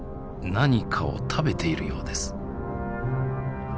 何かを食べているようです。